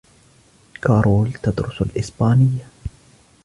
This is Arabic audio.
كارول تدرس الأسبانية.